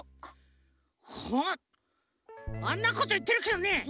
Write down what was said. ほっあんなこといってるけどね